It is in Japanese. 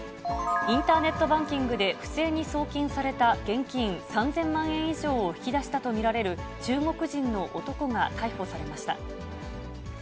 インターネットバンキングで不正に送金された現金３０００万円以上を引き出したと見られる中国人の男が逮捕されました。